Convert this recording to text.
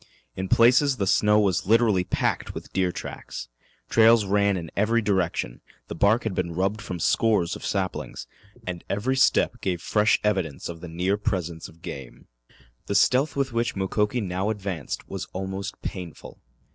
In places the snow was literally packed with deer tracks. Trails ran in every direction, the bark had been rubbed from scores of saplings, and every step gave fresh evidence of the near presence of game. The stealth with which Mukoki now advanced was almost painful.